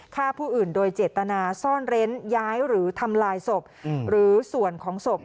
ฆ่าผู้อื่นโดยเจตนาซ่อนเร้นย้ายหรือทำลายศพหรือส่วนของศพ